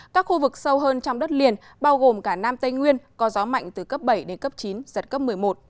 các khu vực sâu hơn trong đất liền bao gồm cả nam tây nguyên có gió mạnh từ cấp bảy đến cấp chín giật cấp một mươi một